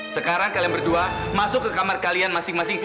sekarang kalian berdua masuk ke kamar kalian masing masing